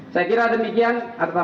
saya kira demikian